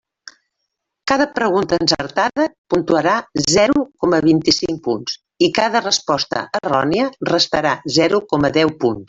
Cada pregunta encertada puntuarà zero coma vint-i-cinc punts i cada resposta errònia restarà zero coma deu punts.